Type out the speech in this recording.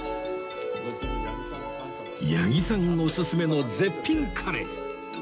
八木さんおすすめの絶品カレー